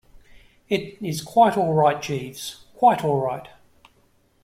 It is quite all right, Jeeves, quite all right.